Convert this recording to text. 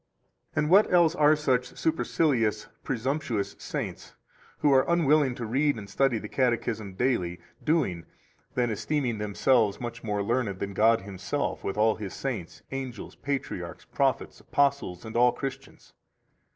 16 And what else are such supercilious, presumptuous saints, who are unwilling to read and study the Catechism daily, doing than esteeming themselves much more learned than God Himself with all His saints, angels, [patriarchs], prophets, apostles, and all Christians?